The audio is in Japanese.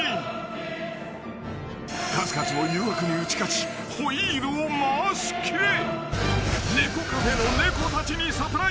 ［数々の誘惑に打ち勝ちホイールを回しきれ］